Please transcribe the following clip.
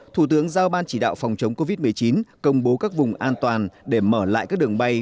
thủ tướng giao ban chỉ đạo phòng chống covid một mươi chín công bố các vùng an toàn để mở lại các đường bay